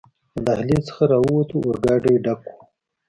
له دهلېز څخه راووتو، اورګاډی ډک و.